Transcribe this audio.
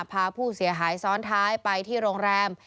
พาผู้เสียหายซ้อนท้ายไปที่โรงแรม